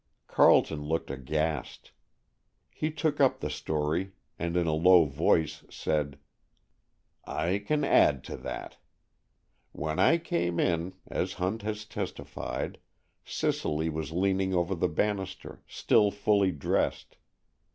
Carleton looked aghast. He took up the story, and in a low voice said, "I can add to that. When I came in, as Hunt has testified, Cicely was leaning over the banister, still fully dressed.